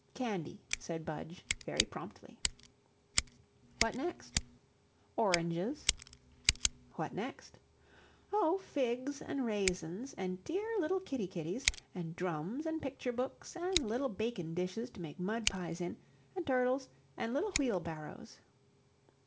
"Candy," said Budge, very promptly. "What next?" "Oranges." "What next?" "Oh, figs, an' raisins, an' dear little kittie kitties, an' drums, an' picture books, an' little bakin' dishes to make mud pies in, an' turtles, an' little wheelbarrows."